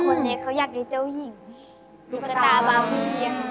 ส่วนคนเล็กเขาอยากได้เจ้าหญิงขุมปลาบาวบาวพี่ห่ิง